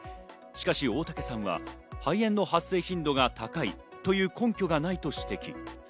しかし大竹さんは肺炎の発生頻度が高いという根拠がないと指摘。